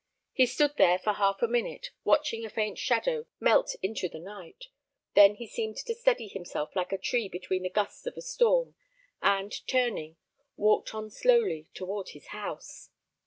He stood there for half a minute watching a faint shadow melt into the night. Then he seemed to steady himself like a tree between the gusts of a storm, and, turning, walked on slowly toward his house.